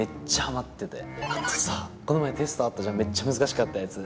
あとさこの前テストあったじゃんめっちゃ難しかったやつ。